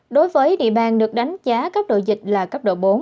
đối với địa bàn được đánh giá cấp độ dịch là cấp độ bốn